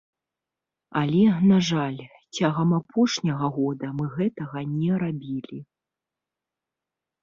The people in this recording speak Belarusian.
Але, на жаль, цягам апошняга года мы гэтага не рабілі.